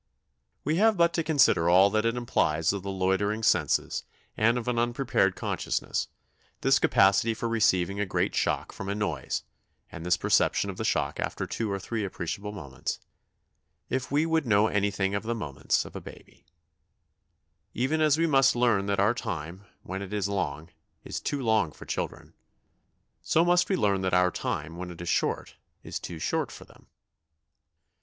We have but to consider all that it implies of the loitering of senses and of an unprepared consciousness this capacity for receiving a great shock from a noise and this perception of the shock after two or three appreciable moments if we would know anything of the moments of a baby Even as we must learn that our time, when it is long, is too long for children, so must we learn that our time, when it is short, is too short for them.